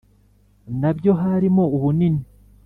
Na Byo Harimo Ubunini